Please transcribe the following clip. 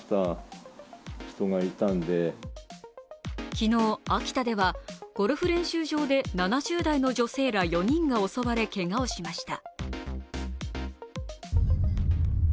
昨日、秋田ではゴルフ界で７０代の女性ら４人が襲われ、けがをしました。